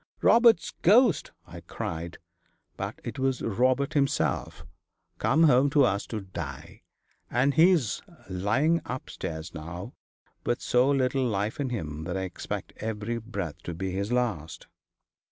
"Robert's ghost!" I cried; but it was Robert himself, come home to us to die. And he's lying upstairs now, with so little life in him that I expect every breath to be his last.'